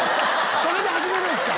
⁉それで始めるんすか？